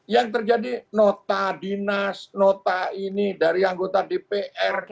yang terjadi nota dinas nota ini dari anggota dprd